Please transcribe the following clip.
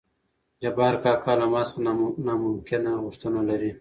جبار کاکا له ما څخه نامکنه غوښتنه لري.